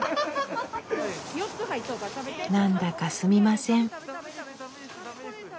何だかすみません。